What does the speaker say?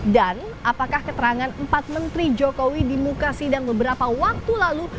dan apakah keterangan empat menteri jokowi di mukasidang beberapa waktu lalu